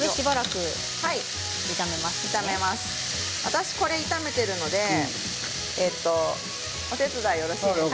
私はこれを炒めているのでお手伝いを、よろしいですか？